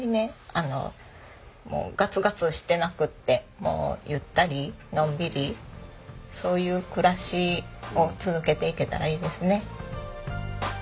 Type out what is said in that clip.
あのガツガツしてなくってもうゆったりのんびりそういう暮らしを続けていけたらいいですね。